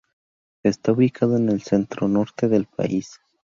Está ubicado en el centronorte del país.